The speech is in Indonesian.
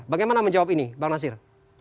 bagaimana menjawab ini bang nasir